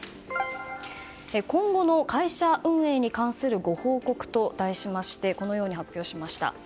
今後の会社運営に関するご報告と題しましてこのように発表しました。